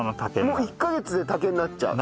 もう１カ月で竹になっちゃう？